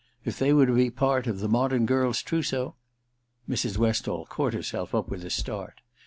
If they were to be a part of the modern girl's trousseau Mrs. Westall caught herself up with a start.